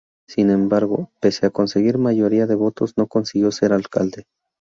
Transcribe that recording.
Sin embargo, pese a conseguir mayoría de votos, no consiguió ser alcalde.